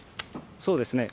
そうですね。